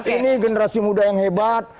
ini generasi muda yang hebat